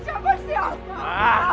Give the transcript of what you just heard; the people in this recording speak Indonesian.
siapa sih apa